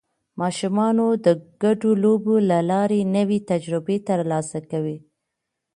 ماشومان د ګډو لوبو له لارې نوې تجربې ترلاسه کوي